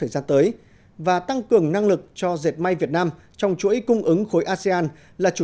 xin chào và hẹn gặp lại